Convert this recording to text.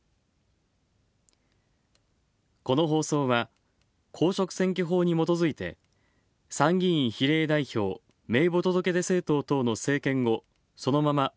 この放送は、公職選挙法にもとづいて参議院比例代表名簿届出政党等の政見をそのままお伝えしました。